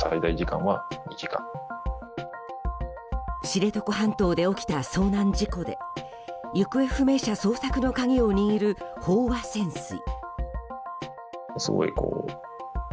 知床半島で起きた遭難事故で行方不明者捜索の鍵を握る飽和潜水。